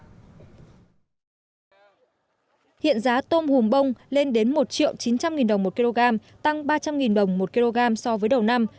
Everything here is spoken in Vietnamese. hiện giá tôm hùm bông lên đến một triệu chín trăm linh đồng một kg tăng ba trăm linh đồng một kg so với đầu năm